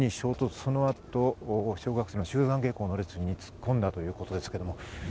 その後、小学生の集団下校の列に突っ込んだということです。